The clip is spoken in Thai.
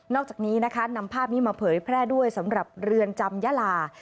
อกจากนี้นะคะนำภาพนี้มาเผยแพร่ด้วยสำหรับเรือนจำยาลา